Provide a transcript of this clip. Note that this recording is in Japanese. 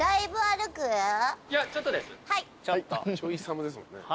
ちょい寒ですもんね。